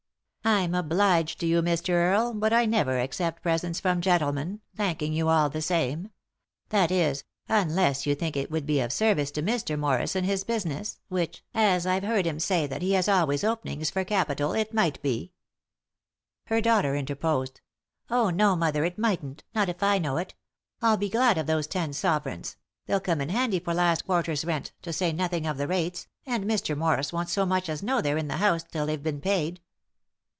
" I'm obliged to you, Mr. Earle, but I never accept presents from gentlemen, thanking you all the same ; that is, unless you think it would be of service to Mr. Morris in his business, which, as I've heard him say that he has always openings for capital, it might be." Her daughter interposed. " Oh, no, mother, it mightn't ; not if I know it. I'll be glad of those ten sovereigns ; they'll come in handy for last quarter's rent, to say nothing of the rates, and Mr. Morris won't so much as know they're in the house till they've been paid."